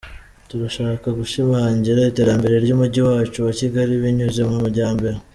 Turashaka gushimangira iterambere ry’umujyi wacu wa Kigali binyuze mu myambaro.